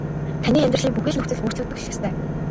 Таны амьдралын бүхий л нөхцөл өөрчлөгдөх л ёстой.